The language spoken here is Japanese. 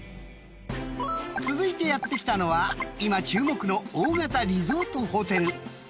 ［続いてやって来たのは今注目の大型リゾートホテル］